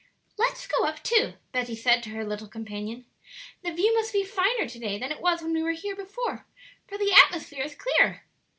"Let us go up too," Betty said to her little companion; "the view must be finer to day than it was when we were here before, for the atmosphere is clearer."